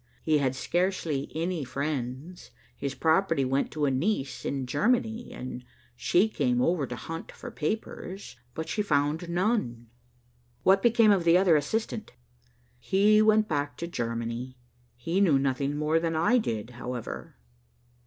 He had scarcely any friends. His property went to a niece in Germany, and she came over to hunt for papers, but she found none." "What became of the other assistant?" "He went back to Germany. He knew nothing more than I did, however."